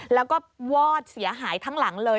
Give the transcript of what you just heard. แล้วก็วอดเสียหายทั้งหลังเลย